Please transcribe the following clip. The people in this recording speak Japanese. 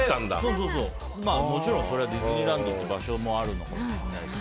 もちろん、ディズニーランドという場所もあるかもしれないし。